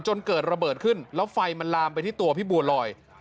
จนเกิดระเบิดขึ้นแล้วไฟมันลามไปที่ตัวพี่บัวลอย